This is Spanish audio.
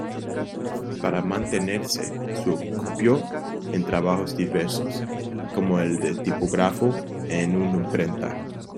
Para mantenerse se ocupó en trabajos diversos, como el de tipógrafo en una imprenta.